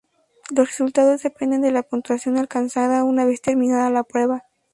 Los resultados dependen de la puntuación alcanzada una vez terminada la prueba.